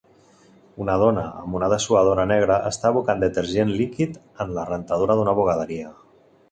Una dona amb una dessuadora negra està abocant detergent líquid en la rentadora d'una bugaderia.